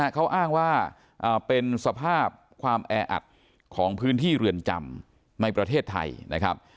เขาอ้างว่าเป็นสภาพความแออัดของพื้นที่เรือนจำในประเทศไทยนะครับ